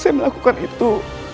saya melakukan itu